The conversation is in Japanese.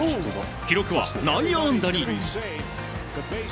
記録は内野安打に。